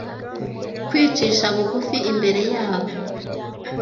Kwicisha bugufi imbere yabo